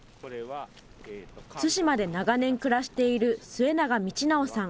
対馬で長年暮らしている末永通尚さん。